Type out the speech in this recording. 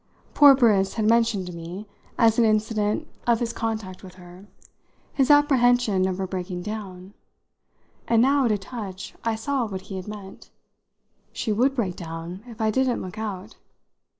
Poor Briss had mentioned to me, as an incident of his contact with her, his apprehension of her breaking down; and now, at a touch, I saw what he had meant. She would break down if I didn't look out.